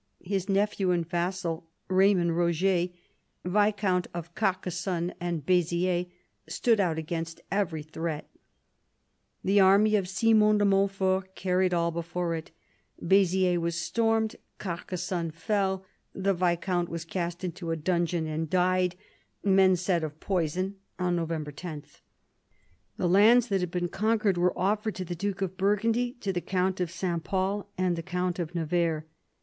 His nephew and vassal, Raymond Roger, viscount of Carcassonne and Beziers, stood out against every threat. The army of Simon de Montfort carried all before it ; Beziers was stormed, Carcassonne fell, the viscount was cast into a dungeon, and died, men said of poison, on November 10. The lands that had been conquered were offered to the duke of Burgundy, to the count of S. Pol, and the count of Nevers.